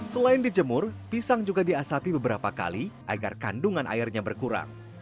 selain dijemur pisang juga diasapi beberapa kali agar kandungan airnya berkurang